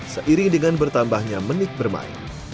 seiring dengan bertambahnya menit bermain